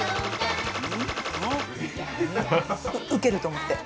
ウケると思って。